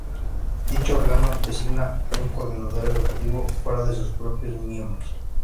Dicho órgano designa un Coordinador Ejecutivo fuera de sus propios miembros.